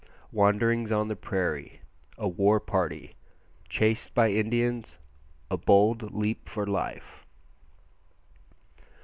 Wanderings on the prairie A war party Chased by Indians A bold leap for life.